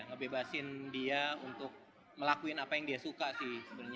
ngebebasin dia untuk melakuin apa yang dia suka sih